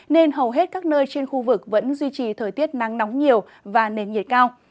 nên hầu hết các nơi trên khu vực vẫn duy trì thời tiết nắng nóng nhiều và nền nhiệt cao